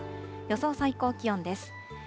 予想最高気温です。